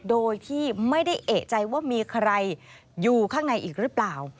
โดยที่ไม่ได้เอกใจว่ามีใครอยู่ข้างในอีกหรือเปล่า